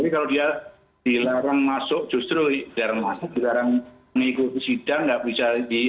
tapi kalau dia dilarang masuk justru dilarang masuk dilarang mengikuti sidang nggak bisa di